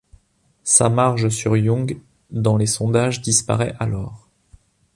Sa marge sur Young dans les sondages disparaît alors.